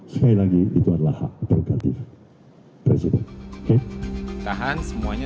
sekali lagi itu adalah hak progratif presiden